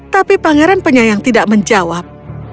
tapi pangeran penyayang tidak menjawab